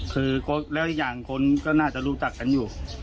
คือแล้วอีกอย่างคนก็น่าจะรู้จักกันอยู่